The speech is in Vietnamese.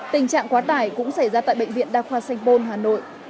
tình trạng quá tải cũng xảy ra tại bệnh viện đa khoa sanh pôn hà nội